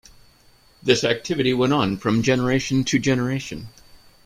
This activity went on from generation to generation.